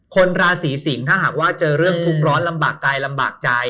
คนราศีสิงศ์ถ้าหากว่าเจอเรื่องทุกข์ร้อนลำบากกายลำบากใจ